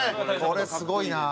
これすごいな。